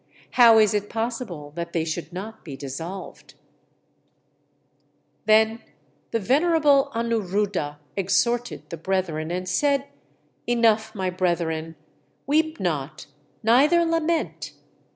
How is it possible that [they should not be dissolved]?" Then the venerable Anuruddha exhorted the brethren, and said: "Enough, my brethren! Weep not, neither lament!